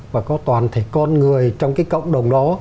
và có toàn thể con người trong cái cộng đồng đó